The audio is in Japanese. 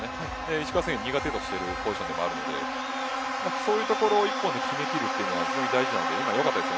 石川選手が苦手としているポジションでもあるのでそういうところを１本で決め切るというのは大事になってきます。